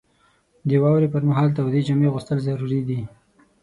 • د واورې پر مهال تودې جامې اغوستل ضروري دي.